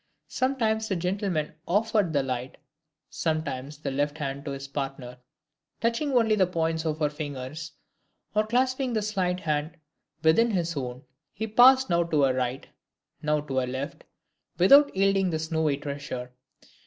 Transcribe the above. Sometimes, the gentleman offered the right, sometimes, the left hand to his partner; touching only the points of her fingers, or clasping the slight hand within his own, he passed now to her right, now to her left, without yielding the snowy treasure.